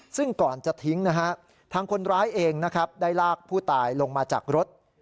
ซึ่งก่อนจะทิ้งนะฮะทางคนร้ายเองนะครับได้ลากผู้ตายลงมาจากรถ